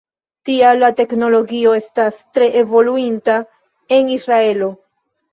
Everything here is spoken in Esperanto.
Tial la teknologio estas tre evoluinta en Israelo.